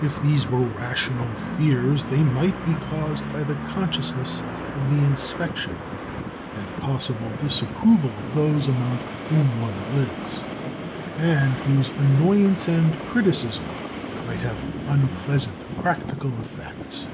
If these were rational fears, they might be caused by the consciousness of the inspection and possible disapproval of those among whom one lives, and whose annoyance and criticism might have unpleasant practical effects.